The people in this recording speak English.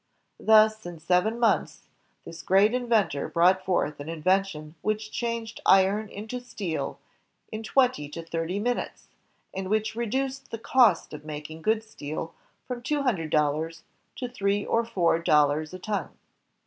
Thus, in seven months, this great inventor brought forth an inven tion which changed iron into steel in twenty to thirty min utes, and. which reduced the cost of making good steel from two himdred dollars to three or four dollars a ton.